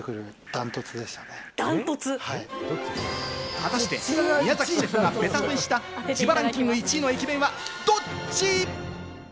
果たして宮崎シェフがベタ褒めした自腹ンキング１位の駅弁はどっち？